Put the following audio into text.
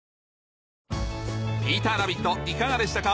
『ピーターラビット』いかがでしたか？